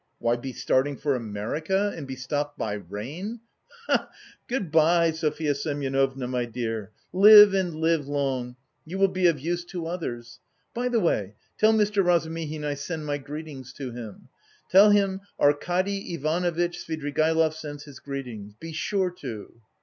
"Why, be starting for America, and be stopped by rain! Ha, ha! Good bye, Sofya Semyonovna, my dear! Live and live long, you will be of use to others. By the way... tell Mr. Razumihin I send my greetings to him. Tell him Arkady Ivanovitch Svidrigaïlov sends his greetings. Be sure to."